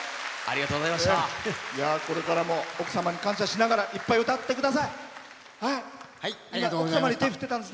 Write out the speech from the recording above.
これからも奥様に感謝しながらいっぱい歌ってください。